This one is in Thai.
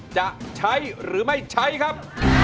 จะใช้หรือไม่ใช้ครับ